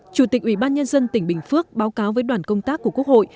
chủ tịch ủy ban nhân dân tỉnh bình phước báo cáo với đoàn công tác của quốc hội